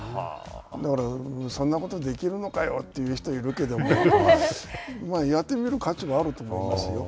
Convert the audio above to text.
だから、そんなことできるのかよと言う人いるけれども、やってみる価値はあると思いますよ。